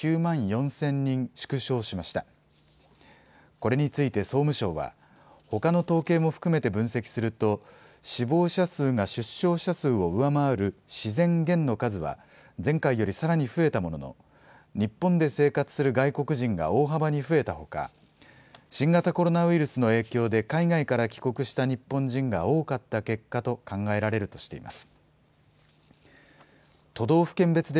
これについて総務省は、ほかの統計も含めて分析すると、死亡者数が出生者数を上回る自然減の数は、前回よりさらに増えたものの、日本で生活する外国人が大幅に増えたほか、新型コロナウイルスの影響で海外から帰国した日本人が多かった結果と考えられるとしています。